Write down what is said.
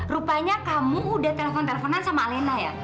rupanya kamu udah telepon teleponan sama alena ya